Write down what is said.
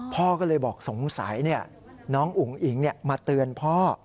พ่อก็เลยบอกสงสัยเนี่ยน้องอุ๋งอิ๋งเนี่ยมาเตือนพ่อ